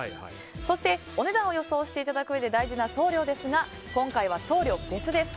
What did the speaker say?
そしてお値段を予想していただくうえで大事な送料ですが今回は、送料別です。